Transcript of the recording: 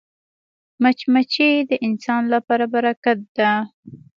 مچمچۍ د انسان لپاره برکت ده